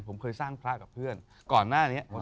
ผมเคยสร้างพร้าวิทยาลัยพระกับเพื่อน